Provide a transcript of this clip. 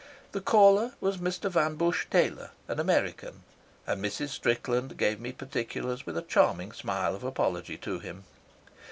The caller was Mr. Van Busche Taylor, an American, and Mrs. Strickland gave me particulars with a charming smile of apology to him.